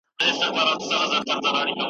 یا دي زما له کوره ټول سامان دی وړی .